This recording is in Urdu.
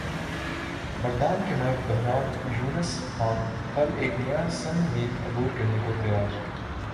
مردان کےمرد بحران یونس خان کل ایک نیا سنگ میل عبور کرنے کو تیار